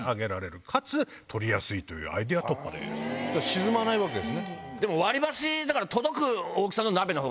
沈まないわけですね。